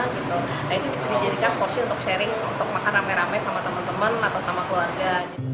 dan ini bisa dijadikan porsi untuk sharing untuk makan rame rame sama teman teman atau sama keluarga